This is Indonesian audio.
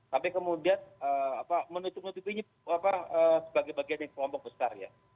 sampai kemudian menutup nutupi sebagai bagian dari kelompok besar ya